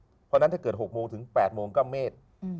เพราะฉะนั้นถ้าเกิด๖โมงถึง๘โมงก็เมด